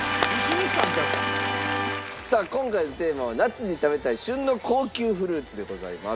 さあ今回のテーマは「夏に食べたい旬の高級フルーツ」でございます。